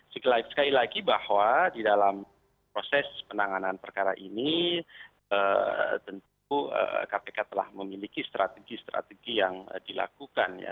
sekali lagi bahwa di dalam proses penanganan perkara ini tentu kpk telah memiliki strategi strategi yang dilakukan ya